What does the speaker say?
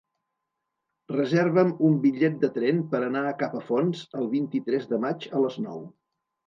Reserva'm un bitllet de tren per anar a Capafonts el vint-i-tres de maig a les nou.